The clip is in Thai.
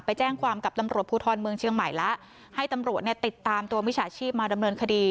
ไปแจ้งความกับตำรวจภูทรเมืองเชียงใหม่แล้วให้ตำรวจเนี่ยติดตามตัวมิจฉาชีพมาดำเนินคดี